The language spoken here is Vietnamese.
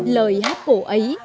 lời hát cổ ấy